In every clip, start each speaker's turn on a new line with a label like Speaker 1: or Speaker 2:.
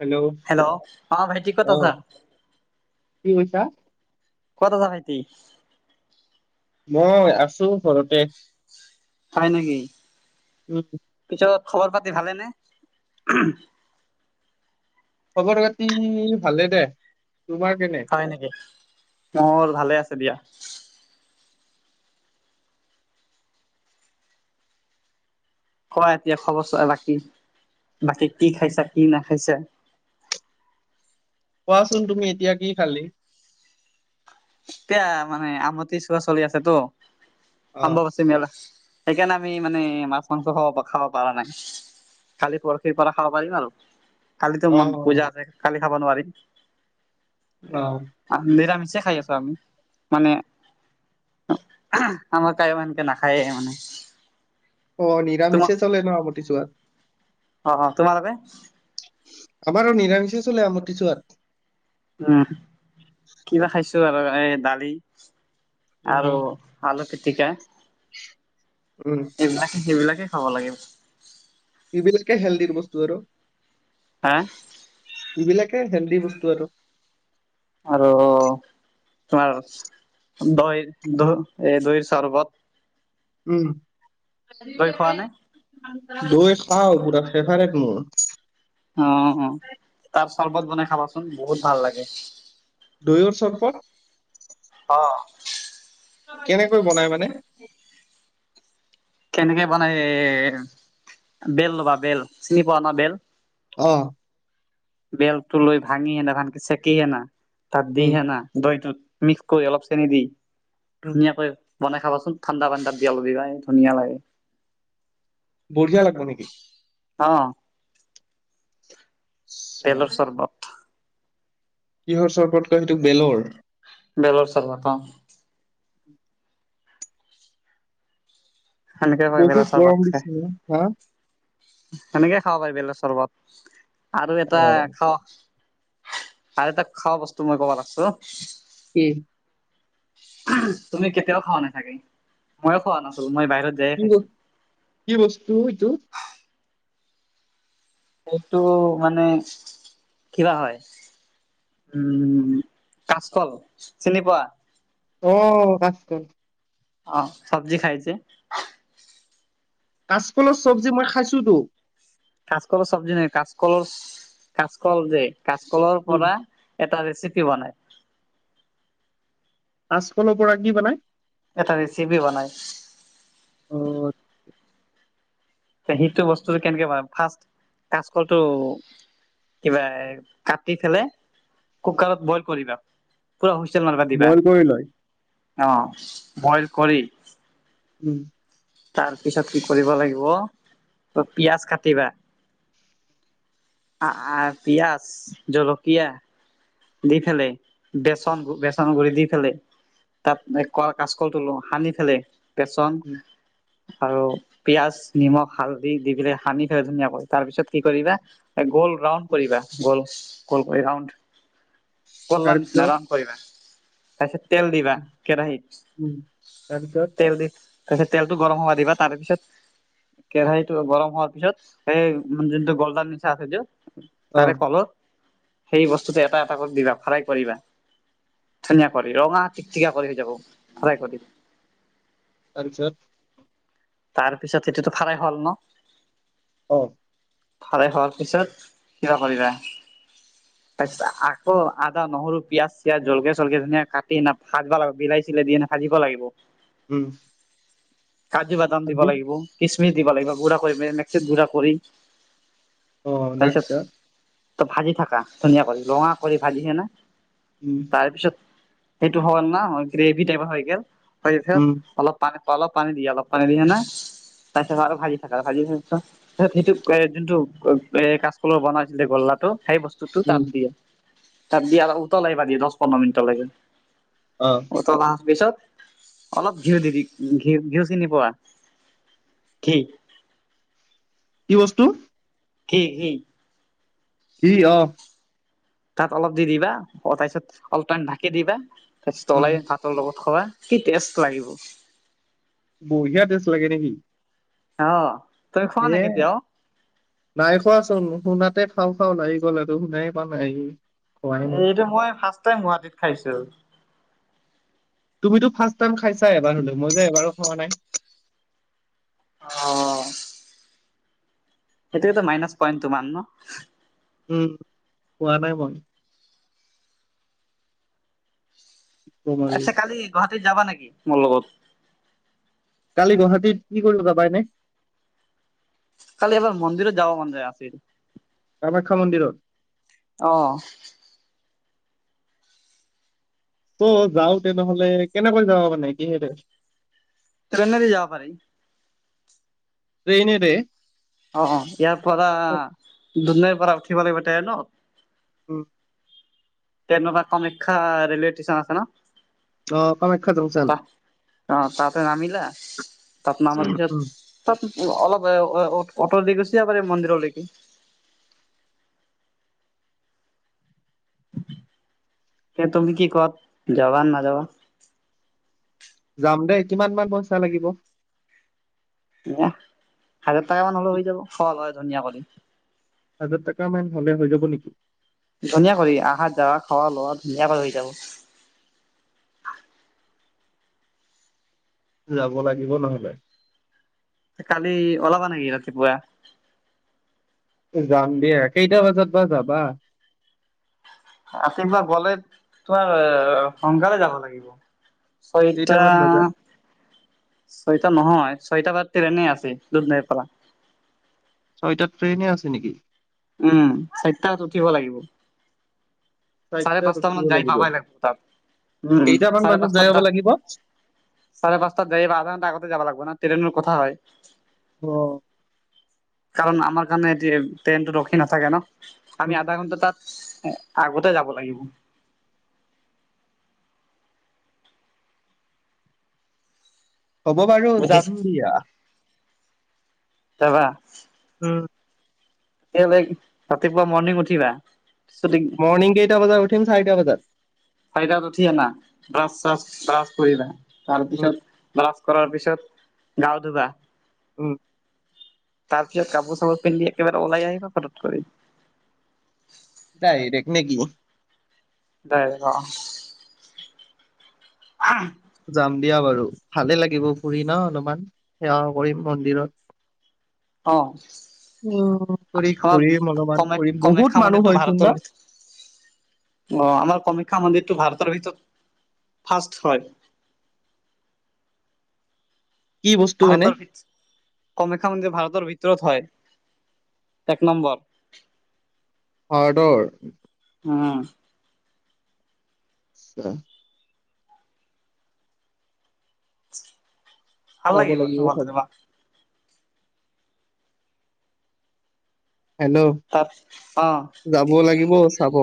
Speaker 1: Hello অ
Speaker 2: hello, অহ ভাইটি ক'ত আছা।
Speaker 1: কি কৈছা?
Speaker 2: ক'ত আছা ভাইটি।
Speaker 1: মই আছো ঘৰতে।
Speaker 2: হয় নেকি।
Speaker 1: উম।
Speaker 2: পিছত খবৰ পাতি ভালেনে?
Speaker 1: খবৰ খাতি ভালেই দে। তোমাৰ কেনে?
Speaker 2: হয় নেকি? মোৰ ভালে আছে দিয়া। কোৱা এতিয়া খবৰ চোৱা বাকী বাকী কি খাইছা কি নাখাইছা। [inaudible]
Speaker 1: কোৱাচোন তুমি এতিয়া কি খালি?
Speaker 2: এতিয়া মানে আমটি চোৱা চলি আছে ৎতো
Speaker 1: অ
Speaker 2: অম্বোবাচী মেলা। সেইকাৰণে আমি মানে মাছ মাংস খা খাব পৰা নাই। কালি পৰসিৰ পৰা খাব পাৰিম আৰু। কালিতো
Speaker 1: অ
Speaker 2: মন পূজা আছে কালি খাব নোৱাৰিম
Speaker 1: অ
Speaker 2: নিৰামিষ চে খাই আছো আমি। মানে আমাক তাই এনেকে নাখায়েই মানে।
Speaker 1: অ',
Speaker 2: তোমা
Speaker 1: নিৰামিষে চলে ন আমতি চোৱাত।
Speaker 2: অ', অ', তোমালোকে
Speaker 1: আমাৰো নিৰামিষে চলে আমতি ছোৱাত।
Speaker 2: উম, কিবা খাইছো আৰু এই দালি আৰু
Speaker 1: উম
Speaker 2: আলু পিটিকা এইবিলাকে সেইবিলাকে খাব লাগিব
Speaker 1: এইবিলাকে হেল্ডিৰ বস্তু আৰু।
Speaker 2: হা?
Speaker 1: এইবিলাকে হেলডি বস্তু আৰু
Speaker 2: আৰু তোমাৰ দৈৰ দ এই দৈৰ চৰ্বত।
Speaker 1: উম
Speaker 2: দৈ খোৱা নে
Speaker 1: দৈ খাওঁ পুৰা ফ্ৰেভাৰিত মোৰ।
Speaker 2: অ', অ' তাৰ চৰ্বত বনাই খাবাচোন। বহুত ভাল লাগে
Speaker 1: দৈৰ চৰবত
Speaker 2: অ'।
Speaker 1: কেনেকৈ বনাই মানে?
Speaker 2: কেনেকে মানে এ বেল ল'বা বেল চিনি পোৱা ন বেল
Speaker 1: অ',
Speaker 2: বেলটো লৈ ভাঙিহেনা ভানকে চেকিহেনা তাত
Speaker 1: উম
Speaker 2: দিহেনা দৈটোত মিক্স কৰি অলপ চেনি দি
Speaker 1: উম
Speaker 2: ধুনীয়াকৈ বনাই খাবাচোন ঠাণ্ডা পানীত দি অলপ ধুনীয়া লাগে।
Speaker 1: বঢ়িয়া লাগিব নেকি?
Speaker 2: অ'।
Speaker 1: আচ্ছা,
Speaker 2: বেলৰ চৰবত।
Speaker 1: কিহৰ চৰ্বতকৈ সেইটো বেলৰ?
Speaker 2: বেলৰ চৰবত অ'। সেনেকে কয় বেলৰ
Speaker 1: বহুত গৰম দিছে ন হা
Speaker 2: সেনেকেই খাব পাৰিবলে চৰ্বত আৰু এটা খাৱ আৰু এটা খোৱা বস্তু মই কব লাগছো
Speaker 1: উম।
Speaker 2: তুমি কেতিয়াও খোৱা নাচাগে ময়ো খোৱা নাছিলো মই বাহিৰ
Speaker 1: কি ব কি বস্তু এইটো?
Speaker 2: সেইটো মানে কিবা হয়। উম, কাচকল চিনি পোৱা
Speaker 1: অ' কাঁচকল
Speaker 2: অ', চব্জি খাইছে।
Speaker 1: কাচকলৰ চব্জী মই খাইছোতো।
Speaker 2: কাচকলৰ চবজি কাচকলৰ কাচকল যে কাচকলৰ
Speaker 1: উম,
Speaker 2: পৰা এ ৰেচিপি বনাই
Speaker 1: কাচকলৰ পৰা কি বনাই?
Speaker 2: এটা ৰেচিপি বনাই
Speaker 1: অঁ
Speaker 2: সেইটো বস্তুটো কেনেকে প ফাৰ্ষ কচকলটো কিবা এ কাটি পেলে কুকাৰত বইল কৰিবা। পুৰা হুইচেল মাৰবা দিবা,
Speaker 1: বইল কৰি লয়
Speaker 2: অ', বইল কৰি
Speaker 1: উম।
Speaker 2: তাৰ পিছত কি কৰিব লাগিব, ত' পিয়াজ কাটিবা আ-আ, পিয়াজ, জলকীয়া দি ফেলাই, বেচন-বেচন গুলি দি ফেলাই তাত এই ক-কাচকলটো লওঁ সানি ফেলাই, বেচন
Speaker 1: উম,
Speaker 2: আৰু পিয়াজ, নিমখ, হালধি দি পেলাই সানি থ'বা ধুনীয়াকৈ, তাৰ পিছত কি কৰিবা গ'ল ৰাউণ্ড কৰিবা, গ'ল গ'ল কৰি ৰা কললা নিচিনা
Speaker 1: তাৰপিছত
Speaker 2: ৰউন কৰিবা তছত তেল দিবা
Speaker 1: উম তাৰপিছত
Speaker 2: কেৰাহিতত তেল দি তাৰপিছত তেলটো গৰম হব দিবা তাৰে পিছত কেৰাহিটো গৰম হোৱাৰ পিছত, সেই মানে জোনটো [unintelligible]
Speaker 1: অ
Speaker 2: তাৰে কলত সেই বস্তুটো এটা এটা কৰি দিবা, ফ্ৰাই কৰিবা। ধনিয়া কৰি ৰঙা তিকতিকা কৰি হৈ যাব ফদাই কৰি
Speaker 1: তছ
Speaker 2: তাৰপিছত এতিটো ফাৰাই হল ন
Speaker 1: অ।
Speaker 2: [unintelligible] হোৱাৰ পিছত, কিবা কৰিবা। তাৰ পিছত আকৌ আদা নহৰু পিয়াজ চিয়াজ জলকে চলকে ধুন কাটি ভাত ভ বিলাহচী ছিলে দিয়ে নে ভাজিব লাগিব।
Speaker 1: উম।
Speaker 2: কাজু বাদাম দিব
Speaker 1: আজি
Speaker 2: লাগিব কি দিব লাগিব, গুড়া কৰি পিনে মিক্সিত গুড়া কৰি
Speaker 1: অ দেখছ
Speaker 2: ত ভাজি থাকা ধুনীয়া কৰি লঙা কৰি ভাজিহে ন
Speaker 1: উম
Speaker 2: তাৰপিছত সেইটো হ না গ্ৰেভি টাইপ হৈ গেল, [unintelligible]
Speaker 1: উম
Speaker 2: অলপ পানী অলপ পানী দি অলপ। [unintelligible] তাৰপিছত আৰু ভাজি থাকা, ভাজি থ, অ' সেইটো জোনটো এ, অ' কাচকলৰ বনাইছিলে গুল্লা সেই বস্তুটো
Speaker 1: উম
Speaker 2: তাত দিয়ে তাত দিে আৰু উতল আহিবা দিয় দহ পোন্ধৰ মিনিটলৈকে অ', তল আঠ পিছত, অলপ ঘিউ দিবি, ঘিউ-ঘিউ চিনি পোৱা, কি?
Speaker 1: কি বস্তু
Speaker 2: কি কি
Speaker 1: কি, অ'।
Speaker 2: তাত অলপ দি দিবা, অ' তাৰপিছত অলপ টাইম ঢাকি দিবা, তাৰ পিছত
Speaker 1: উম
Speaker 2: তাৰপিছত [unintelligible] লগত। খোৱা, কি টেষ্ট লাগিব
Speaker 1: বঢ়িয়া টেষ্ট লাগে নেকি
Speaker 2: অ'। তুমি খোৱা নাই
Speaker 1: এ
Speaker 2: কেতিয়াও
Speaker 1: নাই খোৱাচোন শুনাতে চাও-চাউল আহি গ'ল আৰু শুনাই পোৱা নাই আহি।
Speaker 2: এইটো মই ফাৰ্ষ্ট টাইম গুৱাহাটীত খাইছো
Speaker 1: তুমিতো ফাৰ্ষ্ট টাইম খাইছা এবাৰ হ'লেও, মই যে এবাৰো খোৱা নাই
Speaker 2: অহ। সেইটোৱেটো, মাইনাচ পইণ্ট তোমাৰ নহ।
Speaker 1: উম, পোৱা নাই মই। কম আৰু
Speaker 2: আচ্ছা, কালি গুৱাহাটীত যাবা নেকি? মোৰ লগত।
Speaker 1: কালি গুৱাহাটীত, কি কৰিবা যাবা নে?
Speaker 2: কালি এবাৰ মন্দিৰো যাব মান আছিল।
Speaker 1: কামাখ্যা মন্দিৰত?
Speaker 2: অহ।
Speaker 1: ত' যাওঁতে নেহ'লে কেনেকৈ যাওঁ মানে কিহেৰে?
Speaker 2: ট্ৰেইনে দি যাব পাৰি।
Speaker 1: ট্ৰেইনেৰে?
Speaker 2: অ', অ' ইয়াৰ পৰা দুধনৈ পৰা উঠিব লাগিব ট্ৰেইনত
Speaker 1: উম।
Speaker 2: কমাখ্যা ৰিলেটি চন আছে ন।
Speaker 1: [unintelligible]
Speaker 2: অ', তাতে নামিলা। তাত নামাৰ
Speaker 1: উম।
Speaker 2: পিছত তাত অলপ অ'তৰ দি গুছি যাব পাৰি মন্দিৰলৈকে। এ, তুমি কি কোৱা যাবা নাযাবা
Speaker 1: যাম দেই, কিমান মান পইচা লাগিব।
Speaker 2: অ, হাজাৰ টকা মান হলেই হৈ যাব। হয়, হয় ধুনীয়া কথা।
Speaker 1: হাজাৰ টকা মান হ'লে হৈ যাব নেকি?
Speaker 2: ধুনীয়া কৰি, অহা-যাৱা, খোৱা-লোৱা ধুনীয়াকৈ হৈ যাব।
Speaker 1: যাব লাগিব নহ'লে।
Speaker 2: কালি ওলাবা নেকি ৰাতিপুৱা?
Speaker 1: যাম দিয়া, কেইটা বজাত বা যাবা?
Speaker 2: ৰাতিপুৱা গ'লে, তোমাৰ সোনকালে যাব লাগিব। ছয়টা
Speaker 1: কেইটামান বজাত
Speaker 2: ছয়টা নহয়, ছয়টাত বজাত ট্ৰেইনে আছে, দুধনৈৰ পৰা।
Speaker 1: ছয়টাত ট্ৰেইনে আছে নেকি?
Speaker 2: উম, চাইতাত উঠিব লাগিব। চাৰে
Speaker 1: চাৰিটাত
Speaker 2: পাঁচটা
Speaker 1: উঠিব
Speaker 2: মানত যাই পাবাই লাগিব তাত। উম,
Speaker 1: কেইটামান
Speaker 2: চাৰে
Speaker 1: বজাত যাই
Speaker 2: পাঁচটাত
Speaker 1: পাব
Speaker 2: ত
Speaker 1: লাগিব?
Speaker 2: চাৰে পাঁচটাত যায় বা আধা ঘণ্টা আগতে যাবা লাগব না ট্ৰেইনৰ কথা হয়।
Speaker 1: অ'।
Speaker 2: কাৰণ আমাৰ কাৰণে এহেটি, ট্ৰেইনটো ৰখি নাথাকে নহ, আমি
Speaker 1: উম।
Speaker 2: আধা ঘন্টা তাত আগতে যাব লাগিব।
Speaker 1: হ'ব বাৰু। যাম
Speaker 2: বুজিছা।
Speaker 1: দিয়া।
Speaker 2: যাবা?
Speaker 1: উম।
Speaker 2: [unintelligible] ৰাতিপুৱা মৰ্ণিং উঠিবা।
Speaker 1: মৰ্ণিং কেইটা বজাত উঠিম চাৰিটা বজাত।
Speaker 2: [unintelligible] উঠিয় না ব্ৰাছ-চাচ ব্ৰাছ কৰিবা, তাৰ
Speaker 1: উম,
Speaker 2: পিছত ব্ৰাছ কৰাৰ পিছত, গাও ধুবা।
Speaker 1: উম।
Speaker 2: তাৰ পিছত কাপোৰ চাপোৰ পিন্ধি একেবাৰে ওলাই আহিবা ফতক কৰি।
Speaker 1: তাই দেখ ন কি।
Speaker 2: তাইৰ অ'। অহ।
Speaker 1: যাম দিয়া বাৰু। ভালেই লাগিব ফুৰি নহ, অলপমান সেৱাও কৰিম মন্দিৰত।
Speaker 2: অহ।
Speaker 1: উম। কৰি
Speaker 2: আমাৰ
Speaker 1: ঘূৰিম অলপমান
Speaker 2: কামাখ্যা
Speaker 1: ফুৰিম বহুত
Speaker 2: কামাখ্যা
Speaker 1: মানুহ
Speaker 2: মন্দিৰটো
Speaker 1: হয়চোন ন
Speaker 2: ভাৰতৰ অ', আমাৰ কামাখ্যা মন্দিৰতটো ভাৰ তাৰ ভিতৰত ফাৰ্ষ্ট। [unintelligible]
Speaker 1: কি বস্তু এনে
Speaker 2: ভাৰতৰ ভ কমেখ্যা ম যে ভাৰতৰ ভিতৰত হয় এক নম্বৰ
Speaker 1: অ দৰ
Speaker 2: অঁ
Speaker 1: অ
Speaker 2: ভাল
Speaker 1: যাব
Speaker 2: লাগিবিব
Speaker 1: লাগিব
Speaker 2: [unintelligible]
Speaker 1: চাব
Speaker 2: দিবা
Speaker 1: হেল্ল'
Speaker 2: তাত অ
Speaker 1: যাব লাগিব চাব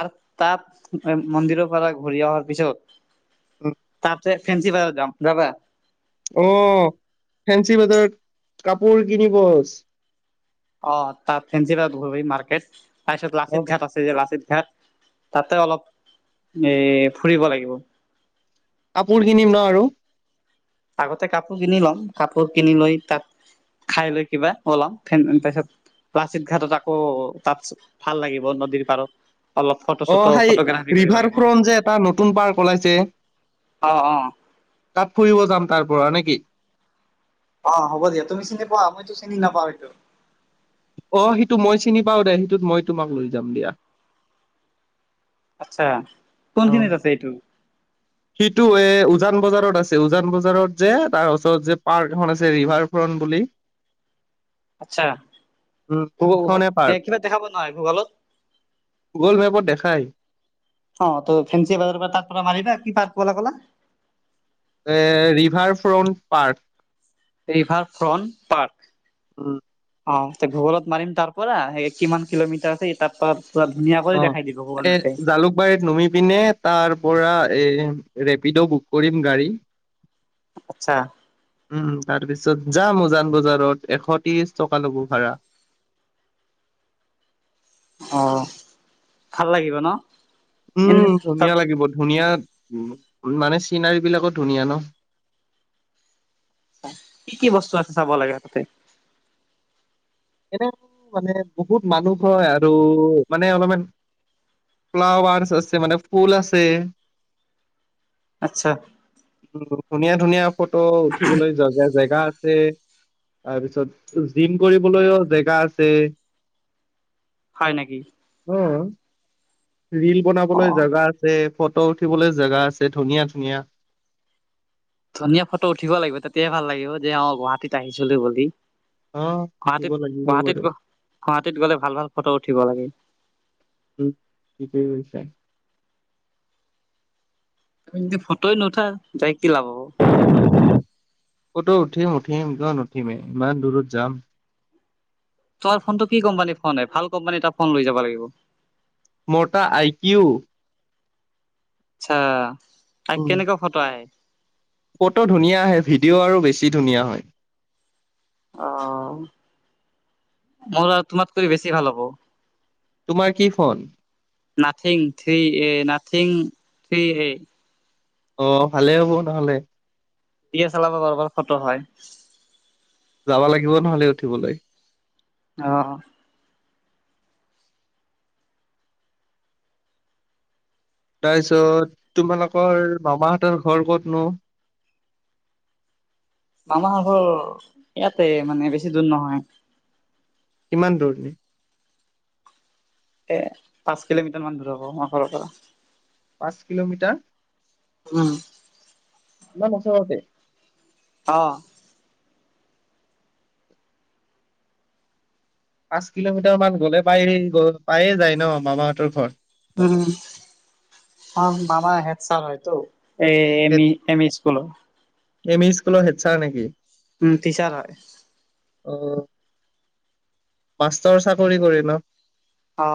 Speaker 2: আৰু তাত মন্দিৰৰ পৰা ঘূৰি অহাৰ পিছত
Speaker 1: অ
Speaker 2: তাতে ফেঞ্চি বজাৰ যাম
Speaker 1: অ ফেঞ্চি বজাৰত কাপোৰ কিনিব
Speaker 2: অ তাত ফেঞ্চি ঘ মাৰ্কেট তাৰপিছত লাচিত ঘাট আছে যে লাচিত ঘ তাতে অলপ এ ফুৰিব লাগিব
Speaker 1: কাপোৰ কিনিম ন আৰু
Speaker 2: আগতে কাপোৰ কিনি লম কাপোৰ কিনি লৈ তাত খাই লৈ কিবা ওলাম ফেন [unintelligible] লাচিত ঘাটত আকৌ তাত ভাল লাগিব নদীৰ পাৰত অলপ ফটো
Speaker 1: [unintelligible]
Speaker 2: চটো ফটোগ্ৰাফি
Speaker 1: তাত
Speaker 2: কৰিব লাগিব
Speaker 1: ফুৰিব
Speaker 2: অ অ
Speaker 1: যাম তাৰ পৰা নেকি
Speaker 2: অ হ'ব দিয়া তুমি চিনি পোৱা মইতো চিনি নাপাও এইটো
Speaker 1: অ সেইটো মই চিনি পাও দে সেইটোত মই তোমাক লৈ যাম দিয়া
Speaker 2: আচ্ছা কোনখিনিত আছে এইটো
Speaker 1: সটো এ উজান বজাৰত আছে উজান বজাৰত যে তাৰ উচৰত যে পাৰ্ক এখন আছে ৰিভাৰ ফ্ৰন্ট বুলি
Speaker 2: আচ্ছা
Speaker 1: উম।
Speaker 2: ভগ
Speaker 1: সিখনে
Speaker 2: এ কিবা দেখাাবোৱা নহয় ভূগলত
Speaker 1: গল মে
Speaker 2: অ ত ফ্ৰেঞ্চি বজাৰ তাৰ পৰা মাৰিবা কি পাৰ্ক কলা
Speaker 1: এ river front park
Speaker 2: river front park
Speaker 1: উম।
Speaker 2: অ ভূগোলত মাৰিম তাৰ পৰা সেই কিমান কিলোমিটাৰ আছে তাৰ পৰা পুৰা ধুনীয়া কৰি
Speaker 1: অ
Speaker 2: দেখাই দিব গুগল
Speaker 1: এ
Speaker 2: মেপে।
Speaker 1: জালুকবাৰীত নুমি পিনে তাৰ পৰা এ ৰেপিডো বুক কৰিম গাড়ী
Speaker 2: আচ্ছা
Speaker 1: উম তাৰপিছত তাৰপিছত যাম উজান বজাৰত এশ ত্ৰিশ টকা ল'ব ভাড়া
Speaker 2: অ ভাল লাগিব ন
Speaker 1: উম
Speaker 2: এনে তাত
Speaker 1: ধুনীয়া লাগিব ধুনীয়া উ মানে চিনাৰী বিলাকো ধুনীয়া ন
Speaker 2: কি কি বস্তু আছে চাব লাগে হ তাতে
Speaker 1: এনে মানে বহুত মানুহ হয় আৰু মানে অলপমান ফ্লাৱাৰছ আছে মানে ফুল আছে
Speaker 2: আচ্ছা
Speaker 1: উম, ধুনীয়া ধুনীয়া ফটো উঠিবলৈ যোৱা জেগা আছে তাৰপিছত জিম কৰিব লৈও জেগা আছে
Speaker 2: হয় নেকি?
Speaker 1: উম ৰীল
Speaker 2: অ
Speaker 1: বনাবলৈ জাগা আছে ফটো উঠিবলৈ জেগা আছে ধুনীয়া ধুনীয়া
Speaker 2: ধুনীয়া ফটো উঠিব লাগিব তেতিয়াই ভাল লাগিব যে অ গুৱাহাটীত আহিছিলো বুলি
Speaker 1: অ উঠিব
Speaker 2: গুৱাহাটীত
Speaker 1: লাগিব
Speaker 2: গুৱাহাটীত
Speaker 1: বাৰু
Speaker 2: গ গুৱাহাটীত গলে ভাল ভাল ফটো উঠিব লাগে
Speaker 1: উম ঠিকেই কয়লা।
Speaker 2: তমি যদি ফটোই নুঠা যাই কি লাভা হব
Speaker 1: ফতো উঠিম উঠিম কিয় নুঠিমে ইমান দূৰত যাম।
Speaker 2: তই ফোনটো কি কোম্পানীৰ ফোন ভাল কোম্পানী এটা ফোন লৈ যাব লাগিব।
Speaker 1: মোটা আইকিউ
Speaker 2: আচ্ছা তাক
Speaker 1: উম,
Speaker 2: কেনেকুৱা ফটো আহে।
Speaker 1: ফটো ধুনীয়া আহে ভিডিঅ' আৰু বেছি ধুনীয়া হয়।
Speaker 2: অ', মোৰ আৰু তোমাতকৈ বেছি ভাল হ'ব।
Speaker 1: তোমাৰ কি phone?
Speaker 2: Nothing three A nothing three A.
Speaker 1: অ', ভালে হ'ব নহলে।
Speaker 2: চলাব বাৰ বাৰ খটো হয়।
Speaker 1: যাব লাগিব নহ'লে উঠিবলৈ।
Speaker 2: অ'।
Speaker 1: তাৰপিছত তোমালোকৰ মামাহঁতৰ ঘৰ ক'তনো?
Speaker 2: [unintelligible] আমাৰ ঘৰ ইয়াতে মানে বেছি দূৰ নহয়।
Speaker 1: কিমান দৌৰিলি?
Speaker 2: এ পাঁচ কিলোমিটাৰ মান দূৰ হব আমাৰ ঘৰৰ পৰা।
Speaker 1: পাঁচ কিলোমিটাৰ।
Speaker 2: উম।
Speaker 1: ইমান ওচৰতেই?
Speaker 2: অ।
Speaker 1: পাঁচ কিলোমিটাৰ মান গলে পায় গ পায়ে যায় ন মামাহঁতৰ ঘৰ।
Speaker 2: উম মামা হেতচাৰ হয়তো। এ এম ই এম ই স্কুলৰ।
Speaker 1: এম ই স্কুলৰ হেছাৰ নেকি?
Speaker 2: উম, টিচাৰ হয়।
Speaker 1: অ'। মাষ্টৰ চাকৰি কৰিম।
Speaker 2: অ।